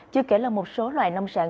chứ kể là một số loại nông sản